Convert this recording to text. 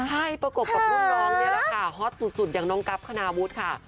ก็ประกบกับลูกน้องนี้ฮอตสุดอย่างน้องกรัฐขณาวุธค่ะ